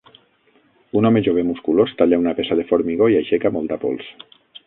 Un home jove musculós talla una peça de formigó i aixeca molta pols